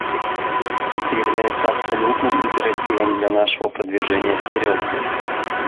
Это является абсолютным императивом для нашего продвижения вперед.